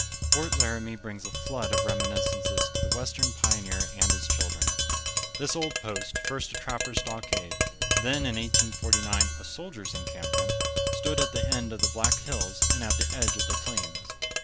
Fort Laramie brings a flood of reminiscences to the western pioneer and his children. This old post, first a trappers' stockade, then in 1849 a soldiers' encampment, stood at the end of the Black Hills and at the edge of the Plains.